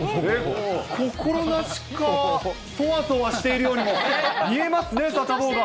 心なしか、そわそわしているようにも見えますね、サタボーが。